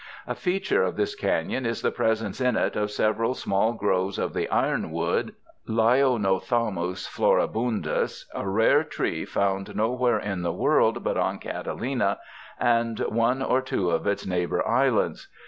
A feature of this canon is the presence in it of several small groves of the ironwood {Lyonothamus floHhundus) a rare tree found nowhere in the world but on Catalina and one or two of its neighbor islands.